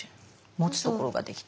持つところができて。